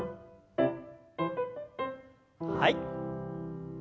はい。